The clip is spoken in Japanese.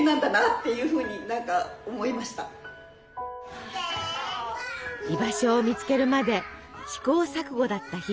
あやっぱり居場所を見つけるまで試行錯誤だった日々。